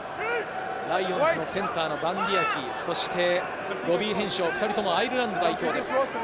ライオンズのセンターのバンディー・アキ、そしてロビー・ヘンショウ、２人ともアイルランド代表です。